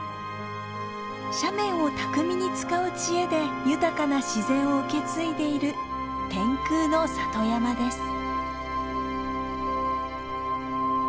斜面を巧みに使う知恵で豊かな自然を受け継いでいる天空の里山です。